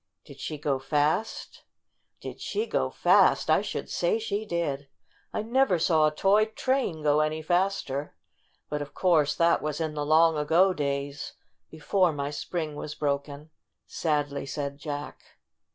"Did she go fast?" "Did she go fast ? I should say she did ! I never saw a toy train go any faster. But of course that was in the long ago days, before my spring was broken," sadly said Jack.